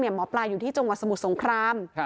หมอปลาอยู่ที่จังหวัดสมุทรสงคราม